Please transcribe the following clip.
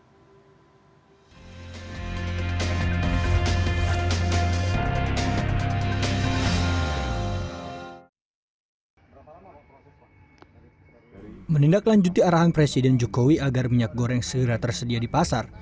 kepala pemerintah jokowi menindaklanjuti arahan presiden jokowi agar minyak goreng segera tersedia di pasar